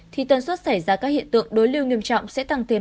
thì tần suất xảy ra các hiện tượng đối lưu nghiêm trọng sẽ tăng thêm hai mươi